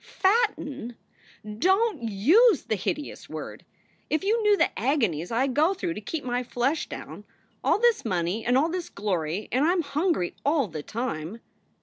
"Fatten? Don t use the hideous word ! If you knew the agonies I go through to keep my flesh down. All this money and all this glory, and I m hungry all the time."